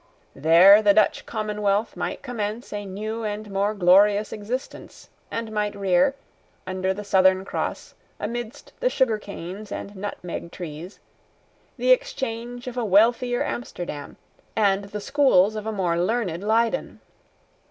There the Dutch commonwealth might commence a new and more glorious existence, and might rear, under the Southern Cross, amidst the sugar canes and nutmeg trees, the Exchange of a wealthier Amsterdam, and the schools of a more learned Leyden.